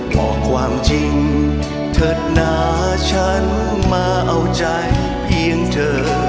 บอกความจริงเถิดหนาฉันมาเอาใจเพียงเธอ